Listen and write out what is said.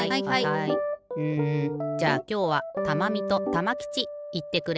うんじゃあきょうはたまみとたまきちいってくれ。